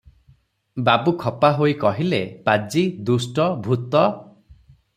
ବାବୁ ଖପା ହୋଇ କହିଲେ, “ପାଜି, ଦୁଷ୍ଟ, ଭୂତ ।